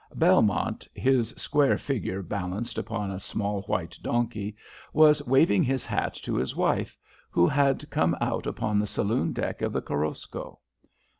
Belmont, his square figure balanced upon a small white donkey, was waving his hat to his wife, who had come out upon the saloon deck of the Korosko.